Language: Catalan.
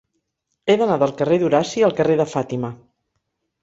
He d'anar del carrer d'Horaci al carrer de Fàtima.